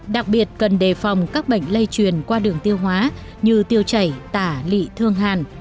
đặc biệt cần đề phòng các bệnh lây truyền qua đường tiêu hóa như tiêu chảy tả lị thương hàn